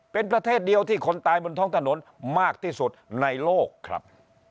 เป็นประเทศเดียวที่คนตายบนท้องถนนมากที่สุดในโลกครับ